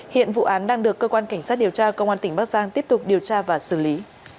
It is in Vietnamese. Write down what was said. hiện vụ án đang được cơ quan cảnh sát điều tra công an tỉnh bắc giang tiếp tục điều tra và xử lý